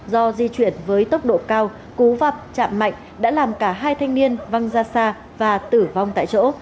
do di chuyển với tốc độ cao cú vạch chạm mạnh đã làm cả hai thanh niên văng ra xa và tử vong tại chỗ